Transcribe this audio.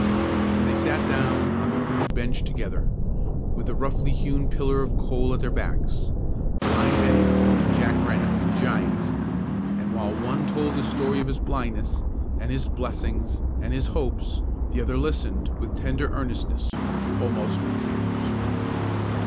Then they sat down on the rude bench together, with the roughly hewn pillar of coal at their backs, blind Bennie and Jack Rennie, the giant, and while one told the story of his blindness, and his blessings, and his hopes, the other listened with tender earnestness, almost with tears.